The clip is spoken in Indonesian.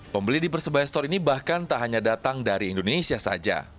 pembeli di persebaya store ini bahkan tak hanya datang dari indonesia saja